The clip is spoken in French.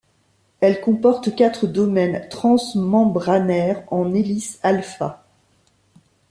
Elle comporte quatre domaines transmembranaires en hélice alpha.